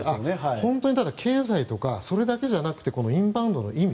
本当に経済とかそれだけじゃなくてインバウンドの意味